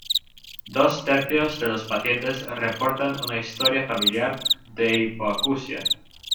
Dos tercios de los pacientes reportan una historia familiar de hipoacusia.